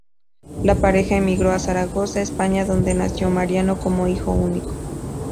La pareja emigró a Zaragoza, España donde nació Mariano como único hijo.